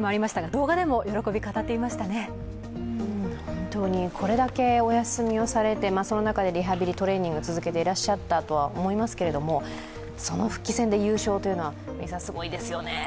本当にこれだけお休みをされてその中でリハビリ、トレーニングを続けていらしたと思いますけれども、その復帰戦で優勝というのはすごいですよね。